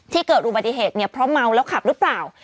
เกิดอุบัติเหตุเนี่ยเพราะเมาแล้วขับหรือเปล่า